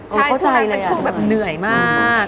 ใช่ช่วงนั้นมันช่วงเหนื่อยมาก